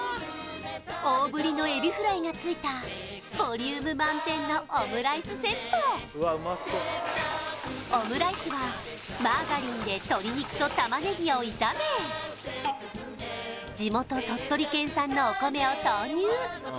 大ぶりのエビフライがついたボリューム満点のオムライスセットオムライスはマーガリンで鶏肉とタマネギを炒め地元鳥取県産のお米を投入